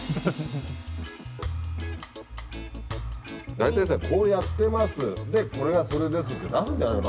大体さ「こうやってます。これがそれです」って出すんじゃないの？